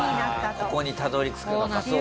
ここにたどり着くのかそうか。